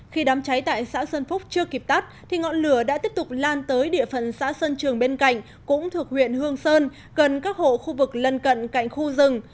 khi đám cháy tại xã sơn phúc chưa kịp tắt thì ngọn lửa đã tiếp tục lan tới địa phận xã sơn trường bên cạnh cũng thuộc huyện hương sơn gần các hộ khu vực lân cận cạnh khu rừng